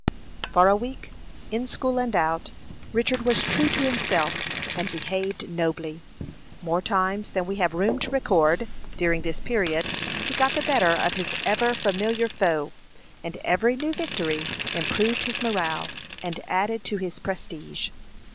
For a week, in school and out, Richard was true to himself, and behaved nobly. More times than we have room to record, during this period, he got the better of his ever familiar foe, and every new victory improved his morale and added to his prestige.